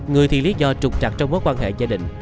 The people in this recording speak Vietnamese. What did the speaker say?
người thì lý do trục trặc trong mối quan hệ gia đình